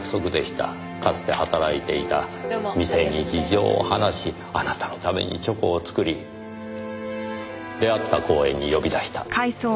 かつて働いていた店に事情を話しあなたのためにチョコを作り出会った公園に呼び出した。